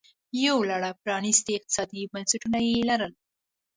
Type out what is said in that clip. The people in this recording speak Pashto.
یو لړ پرانیستي اقتصادي بنسټونه یې لرل